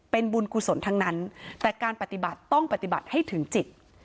เป็นบุญกุศลทั้งนั้นแต่การปฏิบัติต้องปฏิบัติให้ถึงจิต